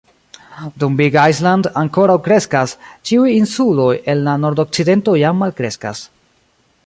Dum "Big Island" ankoraŭ kreskas, ĉiuj insuloj en la nordokcidento jam malkreskas.